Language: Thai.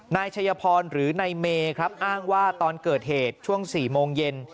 นายชัยพรหรือนายเมครับอ้างว่าตอนเกิดเหตุช่วง๔โมงเย็น